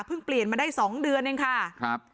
เปลี่ยนมาได้สองเดือนเองค่ะครับ